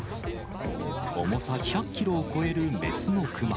重さ１００キロを超える雌の熊。